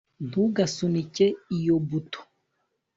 ntugasunike iyo buto